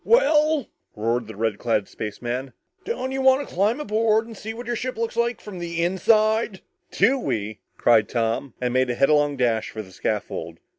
"Well," roared the red clad spaceman, "don't you want to climb aboard and see what your ship looks like inside?" "Do we!" cried Tom, and made a headlong dash for the scaffold.